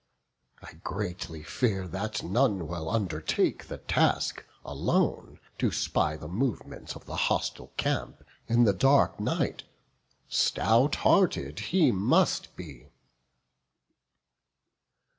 I greatly fear That none will undertake the task, alone To spy the movements of the hostile camp In the dark night: stout hearted he must be."